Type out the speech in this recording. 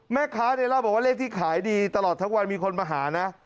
แม่ค้าเนี่ยเล่าบอกว่าเลขที่ขายดีตลอดทั้งวันมีคนมาหานะ